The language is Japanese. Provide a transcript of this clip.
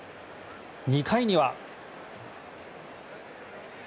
２回には。